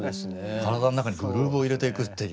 体の中にグルーヴを入れていくっていう。